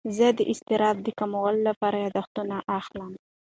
زه د اضطراب د کمولو لپاره یاداښتونه اخلم.